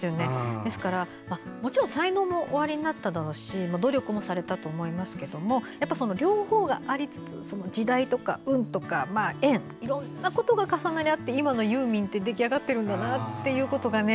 ですから、もちろん才能もおありになっただろうし努力もされたと思いますけども両方がありつつ時代とか運とか縁いろんなことが重なり合って今のユーミンって出来上がってるんだなって。